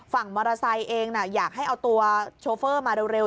ฝั่งมอเตอร์ไซค์เองอยากให้เอาตัวโชเฟอร์มาเร็ว